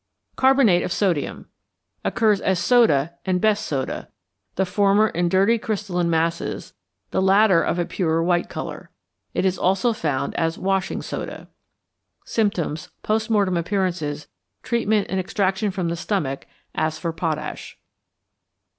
=Carbonate of Sodium= occurs as soda and best soda, the former in dirty crystalline masses, the latter of a purer white colour. It is also found as 'washing soda.' Symptoms, Post Mortem Appearances, Treatment, and Extraction from the Stomach. As for potash.